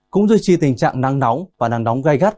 cũng duy trì tình trạng nắng nóng và nắng nóng gai gắt